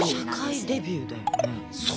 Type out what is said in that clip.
社会デビューだよね。